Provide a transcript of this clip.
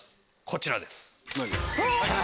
こちらです。